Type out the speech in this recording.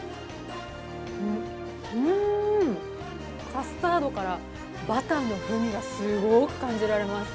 カスタードからバターの風味がすごく感じられます。